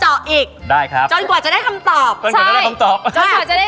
โอเค